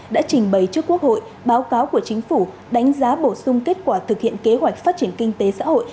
đã trình bày trước quốc hội báo cáo của chính phủ đánh giá bổ sung kết quả thực hiện kế hoạch phát triển kinh tế xã hội